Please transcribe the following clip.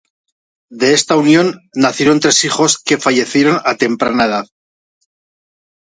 De esta unión nacieron tres hijos que fallecieron a temporada edad.